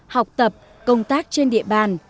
học tập công tác trên địa bàn